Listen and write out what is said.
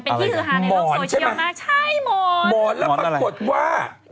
เป็นที่สื่อทางในโลกโสเชียวมากใช่หมอนหมอนแล้วปรากฏว่าหมอนอะไร